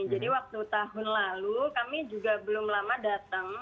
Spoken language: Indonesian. jadi waktu tahun lalu kami juga belum lama datang